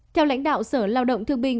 theo lãnh đạo sở lao động thương binh